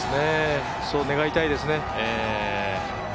そう願いたいですね。